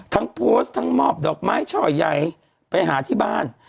ทั้งโพสต์ทั้งมอบดอกไม้ช่อใหญ่ไปหาที่บ้าน